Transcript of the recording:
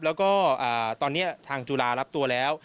แล้วก็ตอนนี้ทางจุฬารับตัวแล้ว